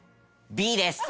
Ｂです。